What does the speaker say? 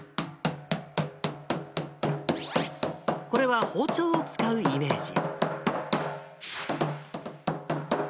これは包丁を使うイメージ。